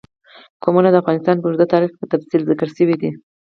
قومونه د افغانستان په اوږده تاریخ کې په تفصیل ذکر شوی دی.